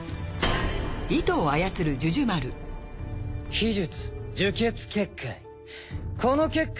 秘術樹血結界。